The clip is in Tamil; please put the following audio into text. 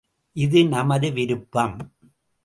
இது நமது விருப்பம்!